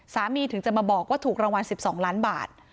ถึงจะมาบอกว่าถูกรางวัล๑๒ล้านบาท